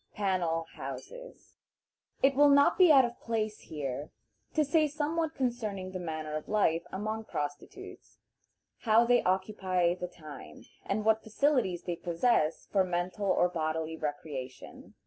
"Panel Houses." It will not be out of place here to say somewhat concerning the manner of life among prostitutes; how they occupy the time, and what facilities they possess for mental or bodily recreation.